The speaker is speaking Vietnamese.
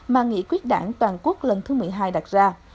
mà nghị quyết đảng toàn quốc lần thứ một mươi hai đặt ra